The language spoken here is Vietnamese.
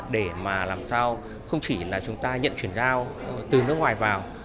để mà làm sao không chỉ là chúng ta nhận chuyển giao từ nước ngoài vào